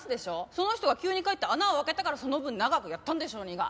その人が急に帰って穴を開けたからその分長くやったんでしょうにが。